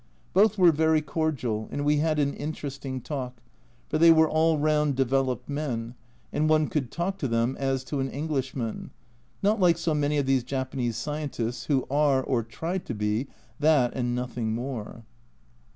Both were very cordial, and we had an interesting talk, for they were all round developed men, and one could talk to them as to an Englishman not like so many of these Japanese scientists, who are (or try to be) that and nothing more.